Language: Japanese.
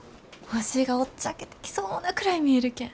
星がおっちゃけてきそうなくらい見えるけん。